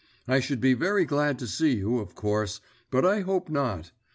I should be very glad to see you, of course, but I hope not.